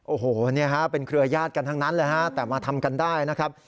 โอ้โหเป็นเครือยาศกันทั้งนั้นเลยฮะแต่มาทำกันได้นะครับ